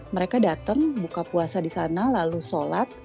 mereka datang buka puasa di sana lalu sholat